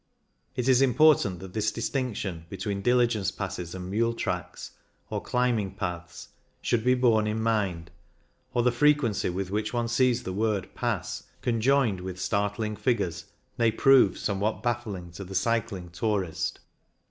It is import ant that this distinction between diligence passes and mule tracks, or climbing paths, should be borne in mind, or the frequency with which one sees the word " Pass " con joined with startling figures may prove somewhat baffling to the cycling tourist.